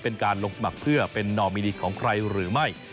เป็นการลงสมัครเพื่อเป็นนอมินีของใครหรือไม่